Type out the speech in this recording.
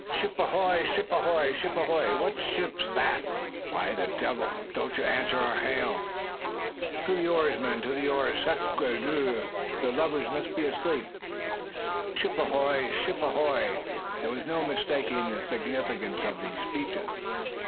"Ship ahoy! ship ahoy!" "Ship ahoy! what ship's that?" "Why the devil don't you answer our hail?" "To the oars, men! to the oars. Sacre dieu! The lubbers must be asleep. Ship ahoy! ship ahoy!" There was no mistaking the signification of these speeches.